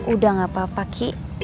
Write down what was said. udah gapapa ki